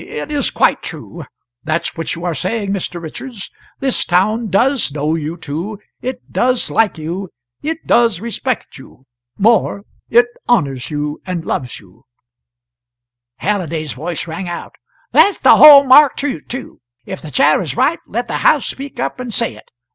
It is quite true that which you are saying, Mr. Richards; this town does know you two; it does like you; it does respect you; more it honours you and loves you " Halliday's voice rang out: "That's the hall marked truth, too! If the Chair is right, let the house speak up and say it.